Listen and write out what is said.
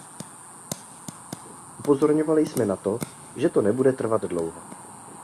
Upozorňovali jsme na to, že to nebude trvat dlouho.